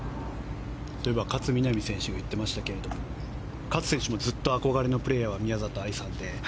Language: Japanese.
そういえば勝みなみ選手が言っていましたけれど勝選手のずっと憧れのプレーヤーが宮里藍さんで。